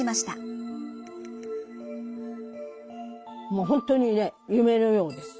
もう本当にね夢のようです。